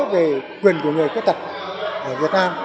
về quyền của người khuyết tật ở việt nam